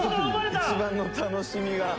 一番の楽しみが。